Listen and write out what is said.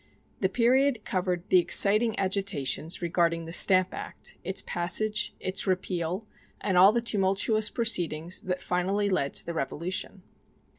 The period covered the exciting agitations regarding the Stamp Act, its passage, its repeal, and all the tumultuous proceedings that finally led to the Revolution.